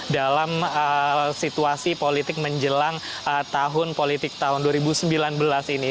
dalam situasi politik menjelang tahun politik tahun dua ribu sembilan belas ini